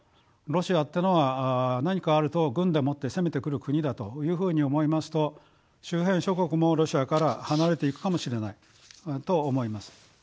ロシアってのは何かあると軍でもって攻めてくる国だというふうに思いますと周辺諸国もロシアから離れていくかもしれないと思います。